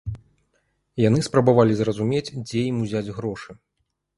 Яны спрабавалі зразумець, дзе ім узяць грошы.